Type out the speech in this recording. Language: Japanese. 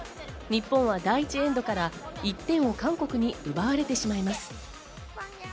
日本は第１エンドから１点を韓国に奪われてしまいます。